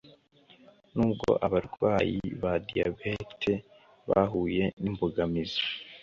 Nubwo abarwayi ba Diabète bahuye n'imbogamizi